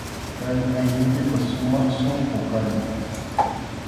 Kay aynipipas sumaq sunqu kana.